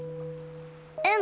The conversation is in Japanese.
うん。